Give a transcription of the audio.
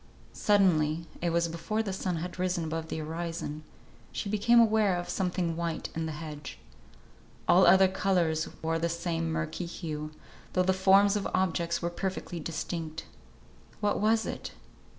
Suddenly (it was before the sun had risen above the horizon) she became aware of something white in the hedge. All other colours wore the same murky hue, though the forms of objects were perfectly distinct. What was it?